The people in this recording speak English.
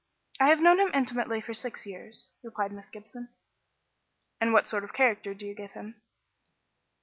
"I have known him intimately for six years," replied Miss Gibson. "And what sort of character do you give him?"